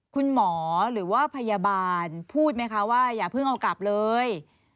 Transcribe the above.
คุณหมอหรือว่าพยาบาลพูดไหมคะว่าอย่าเพิ่งเอากลับเลย